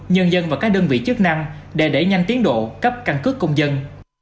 nhân dân và các đơn vị chức năng để đẩy nhanh tiến độ cấp căn cước công dân